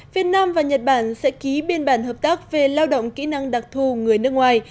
việt nam và nhật bản sẽ ký biên bản hợp tác về lao động kỹ năng đặc thù người nước ngoài